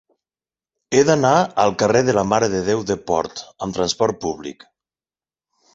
He d'anar al carrer de la Mare de Déu de Port amb trasport públic.